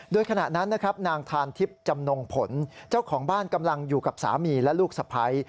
โดยขณะนั้นนะครับนางทานทิพย์จำนงผลเจ้าของบ้านกำลังอยู่กับสามีและลูกสะพ้าย